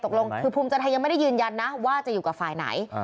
ตกลงคือภูมิใจไทยยังไม่ได้ยืนยันนะว่าจะอยู่กับฝ่ายไหน